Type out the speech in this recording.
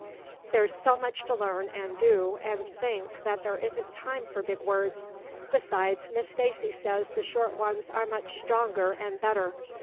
There's so much to learn and do and think that there isn't time for big words. Besides, Miss Stacy says the short ones are much stronger and better.